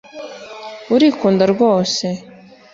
Urikunda rwose